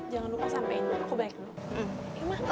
jangan lupa sampein aku balik dulu